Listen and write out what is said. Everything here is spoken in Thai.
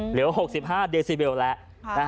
เหลือ๖๕เดซิเบลแล้ว